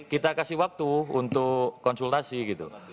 kita kasih waktu untuk konsultasi gitu